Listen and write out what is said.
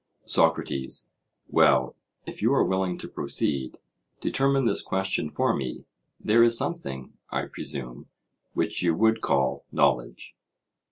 SOCRATES: Well, if you are willing to proceed, determine this question for me:—There is something, I presume, which you would call knowledge?